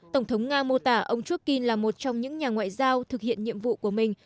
tổng thống nga mô tả ông churkin là một trong những nhà ngoại giao thực hiện nhiệm vụ của mình